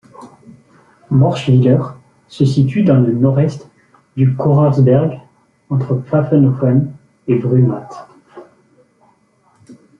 Morschwiller se situe dans le nord-est du Kochersberg, entre Pfaffenhoffen et Brumath.